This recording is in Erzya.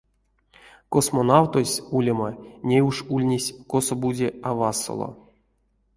Космонавтось, улема, ней уш ульнесь косо-бути а васоло.